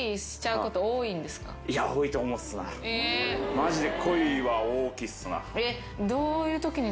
マジで。